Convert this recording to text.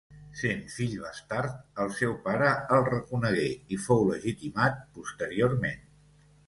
Sent fill bastard el seu pare el reconegué i fou legitimitat posteriorment.